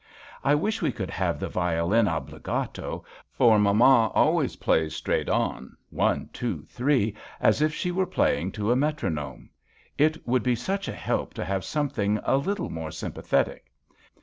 " I wish we could have the violin obbligato, for mamma always plays straight on ; one, two, three, as if she were playing to a metronome. It would be such a help to have something a little more sympathetic."